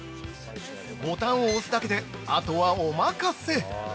◆ボタンを押すだけであとはお任せ！